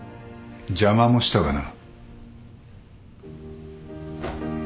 邪魔もしたがな。